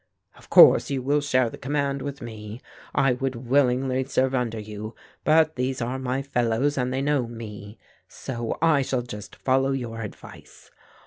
"Of course you will share the command with me. I would willingly serve under you, but these are my fellows and they know me; so I shall just follow your advice.